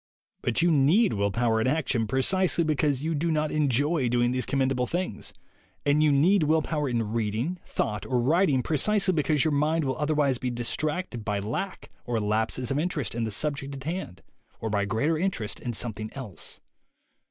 But you need will power in action precisely because you do not enjoy doing these commendable things, and you need will power in reading, thought or writing precisely be cause your mind will otherwise be distracted by lack or lapses of interest in the subject at hand or by greater interest in something else.